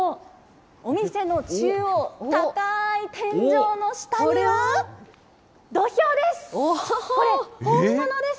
お店の中央、高い天井の下には、土俵です。